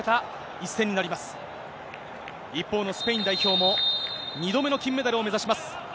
一方のスペイン代表も２度目の金メダルを目指します。